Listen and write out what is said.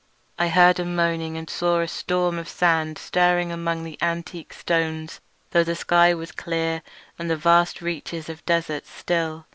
I heard a moaning and saw a storm of sand stirring among the antique stones though the sky was clear and the vast reaches of the desert still.